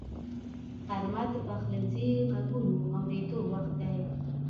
غرمه د پخلنځي غږونو اورېدو وخت دی